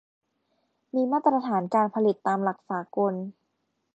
มีมาตรฐานการผลิตตามหลักสากล